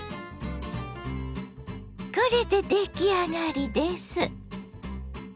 これで出来上がりです。